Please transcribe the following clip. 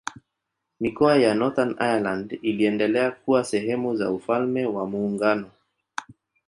Mikoa ya Northern Ireland iliendelea kuwa sehemu za Ufalme wa Muungano.